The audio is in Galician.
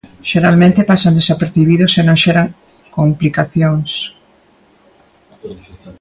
Xeralmente pasan desapercibidos e "non xeran complicacións".